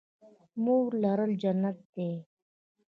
مور لرل جنت دی